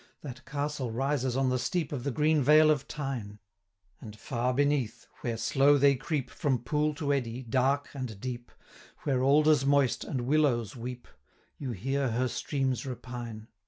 That Castle rises on the steep Of the green vale of Tyne: And far beneath, where slow they creep, From pool to eddy, dark and deep, 200 Where alders moist, and willows weep, You hear her streams repine.